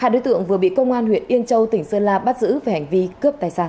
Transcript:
hai đối tượng vừa bị công an huyện yên châu tỉnh sơn la bắt giữ về hành vi cướp tài sản